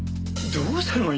どうしたの？